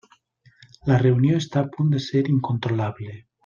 La reunió està a punt de ser incontrolable.